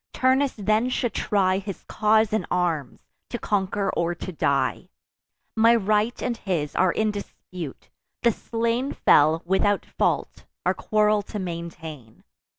Turnus then should try His cause in arms, to conquer or to die. My right and his are in dispute: the slain Fell without fault, our quarrel to maintain.